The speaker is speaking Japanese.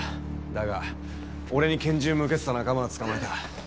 だが俺に拳銃向けてた仲間は捕まえた。